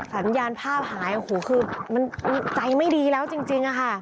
สัญญาณภาพหายโอ้โหคือมันใจไม่ดีแล้วจริงอะค่ะ